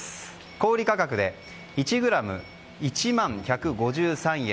小売価格で、１ｇ１万１５３円。